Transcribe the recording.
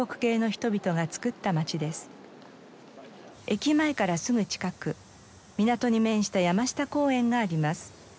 駅前からすぐ近く港に面した山下公園があります。